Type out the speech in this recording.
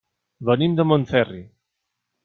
Venim de Montferri.